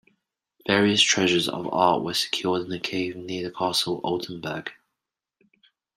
Various treasures of art were secured in a cave near the castle Altenburg.